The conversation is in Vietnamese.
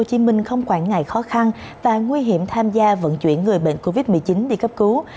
hồ chí minh không quản ngại khó khăn và nguy hiểm tham gia vận chuyển người bệnh covid một mươi chín đi cấp cứu